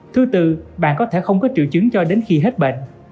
thứ tư bạn có thể không có triệu chứng cho đến khi hết bệnh